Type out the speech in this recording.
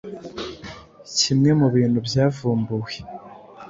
kimwe mu bintu byavumbuwe